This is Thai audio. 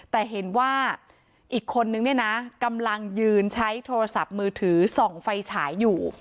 แต่เห็นว่าอีกคนนึงเนี่ยนะกำลังยืนใช้โทรศัพท์มือถือส่องไฟฉายอยู่